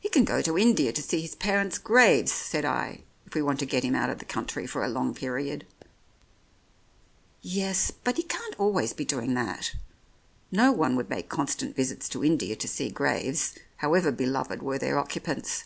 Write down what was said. "He can go to India to see his parents' graves," said I, "if we want to get him out of the country for a long period." "Yes, but he can't always be doing that. No one would make constant visits to India to see graves, however beloved were their occupants.